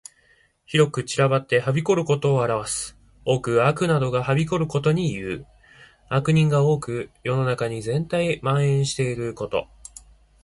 広く散らばってはびこることを表す。多く悪などがはびこることにいう。悪人が多く世の中全体に蔓延ること。